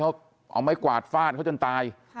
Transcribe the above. เขาเอาไม้กวาดฟาดเขาจนตาย